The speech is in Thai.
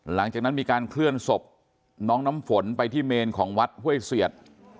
หลังจากนั้นมีการเคลื่อนศพน้องน้ำฝนไปที่เมนของวัดห้วยเสียด